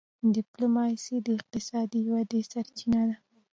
ډيپلوماسي د اقتصادي ودي سرچینه ده.